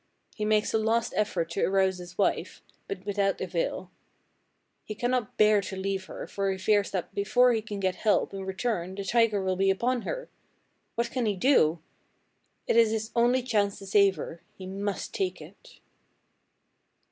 He makes a last effort to arouse his wife, but without avail. He cannot bear to leave her, for he fears that before he can get help and return the tiger will be upon her. What can he do? It is his only chance to save her. He must take it.